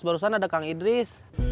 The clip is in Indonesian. barusan ada kang idris